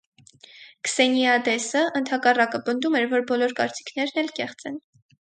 Քսենիադեսը, ընդհակառակը, պնդում էր, որ բոլոր կարծիքներն էլ կեղծ են։